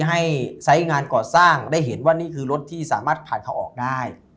ไซส์งานก่อสร้างได้เห็นว่านี่คือรถที่สามารถผ่านเขาออกได้